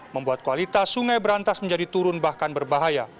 membuat kualitas sungai berantas menjadi turun bahkan berbahaya